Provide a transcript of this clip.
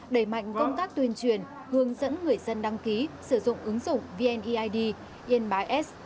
đẩy mạnh công tác tuyên truyền hướng dẫn người dân đăng ký sử dụng ứng dụng vneid yên bái s